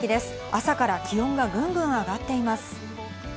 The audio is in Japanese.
朝から気温がぐんぐん上がっています。